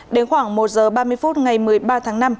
đến khoảng một h ba mươi phút ngày một mươi ba tháng năm